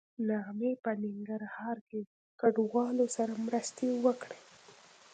نغمې په ننګرهار کې کډوالو سره مرستې وکړې